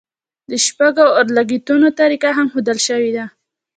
د شپږو اورلګیتونو طریقه هم ښودل شوې ده.